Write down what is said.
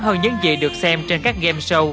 hơn những gì được xem trên các game show